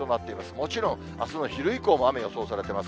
もちろんあすの昼以降も雨が予想されています。